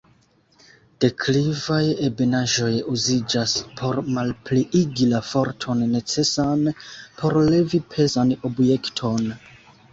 Deklivaj ebenaĵoj uziĝas por malpliigi la forton necesan por levi pezan objekton.